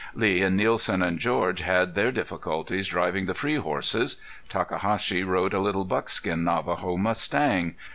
Lee and Nielsen and George had their difficulties driving the free horses. Takahashi rode a little buckskin Navajo mustang.